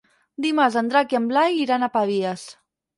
Dimarts en Drac i en Blai iran a Pavies.